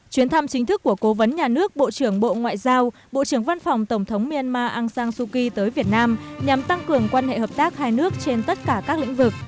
chuyến thăm chính thức của cố vấn nhà nước bộ trưởng bộ ngoại giao bộ trưởng văn phòng tổng thống myanmar aung san suu kyi tới việt nam nhằm tăng cường quan hệ hợp tác hai nước trên tất cả các lĩnh vực